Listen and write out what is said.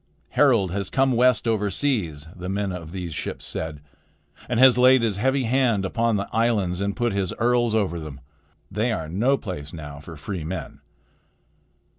"Harald has come west over seas," the men of these ships said, "and has laid his heavy hand upon the islands and put his earls over them. They are no place now for free men."